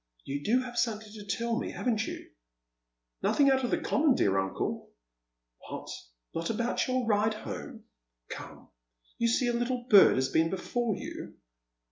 You have something to tell me, haven't you ?"" Nothing out of the common, dear uncle." " What, not about your ride home ? Come, you see a little bird has been before you."